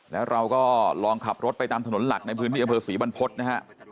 แล้วเราก็ลองขับรถไปตามถนนหลักในพื้นที่อำเภอศรีบรรพฤษนะฮะ